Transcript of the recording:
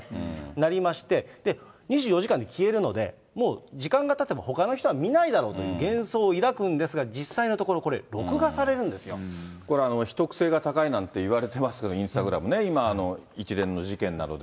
なりまして、２４時間で消えるので、もう時間がたてば、ほかの人は見ないだろうという幻想を抱くんですが、実際のところ、これ、秘匿性が高いなんていわれてますけど、インスタグラム、今、一連の事件などで。